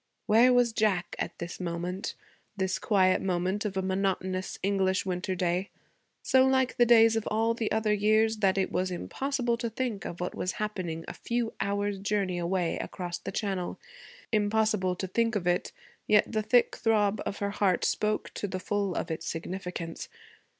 Where was Jack at this moment, this quiet moment of a monotonous English winter day? so like the days of all the other years that it was impossible to think of what was happening a few hours' journey away across the Channel. Impossible to think of it; yet the thick throb of her heart spoke to the full of its significance.